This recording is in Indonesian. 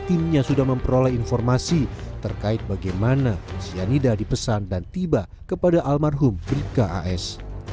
timnya sudah memperoleh informasi terkait bagaimana cyanida dipesan dan tiba kepada almarhum bribka as